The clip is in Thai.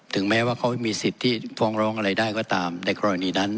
แม้ว่าเขามีสิทธิ์ที่ฟ้องร้องอะไรได้ก็ตามในกรณีนั้น